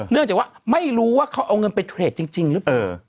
เนื่องจากว่าไม่รู้ว่าเขาเอาเงินไปเทรดจริงหรือเปล่า